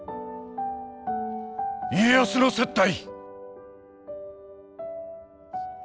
家康の接待。